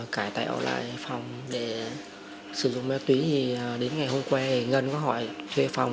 cải tạo lại phòng để sử dụng ma túy thì đến ngày hôm qua ngân có hỏi thuê phòng